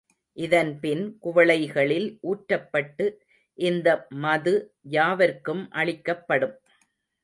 இதன்பின் குவளைகளில் ஊற்றப்பட்டு இந்த மது யாவர்க்கும் அளிக்கப்படும்.